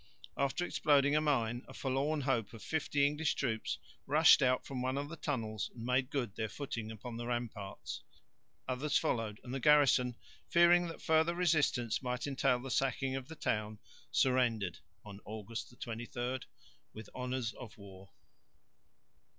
After exploding a mine, a forlorn hope of fifty English troops rushed out from one of the tunnels and made good their footing upon the ramparts. Others followed, and the garrison, fearing that further resistance might entail the sacking of the town, surrendered (August 23) with honours of war.